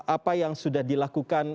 apa yang sudah dilakukan